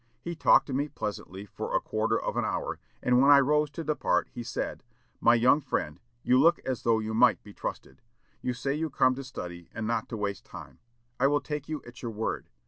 He talked to me pleasantly for a quarter of an hour; and, when I rose to depart, he said: 'My young friend, you look as though you might be trusted. You say you come to study, and not to waste time. I will take you at your word.